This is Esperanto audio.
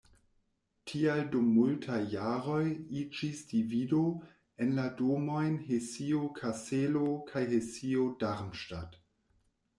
Tial dum multaj jaroj iĝis divido en la domojn Hesio-Kaselo kaj Hesio-Darmstadt.